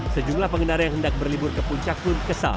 sejumlah pengendara yang hendak berlibur ke puncak pun kesal